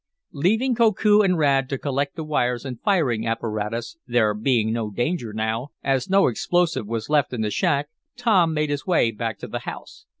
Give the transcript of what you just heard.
Leaving Koku and Rad to collect the wires and firing apparatus, there being no danger now, as no explosive was left in the shack, Tom made his way back to the house.